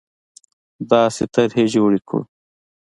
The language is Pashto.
داسې طرحې جوړې کړو